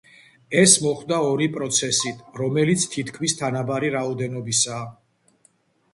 ეს მოხდა ორი პროცესით, რომელიც თითქმის თანაბარი რაოდენობისაა.